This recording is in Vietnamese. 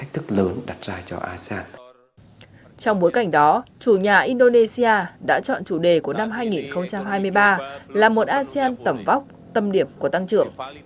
trong bối cảnh đó chủ nhà indonesia đã chọn chủ đề của năm hai nghìn hai mươi ba là một asean tầm vóc tâm điểm của tăng trưởng